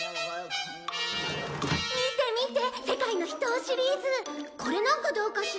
見て見て世界の秘湯シリーズ。これなんかどうかしら？